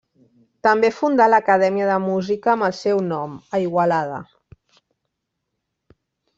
També fundà l'acadèmia de música amb el seu nom, a Igualada.